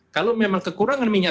kalau memang kekurangan minyak